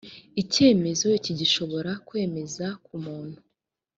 icyemezo ikigo gishobora kwemeza ko umuntu